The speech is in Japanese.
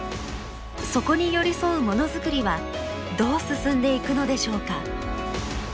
そこに寄り添うものづくりはどう進んでいくのでしょうか。